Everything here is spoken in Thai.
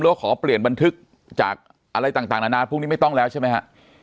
ว่าขอเปลี่ยนบันทึกจากอะไรต่างนานาพวกนี้ไม่ต้องแล้วใช่ไหมฮะ